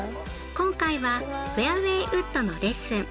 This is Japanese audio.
今回はフェアウェイウッドのレッスン。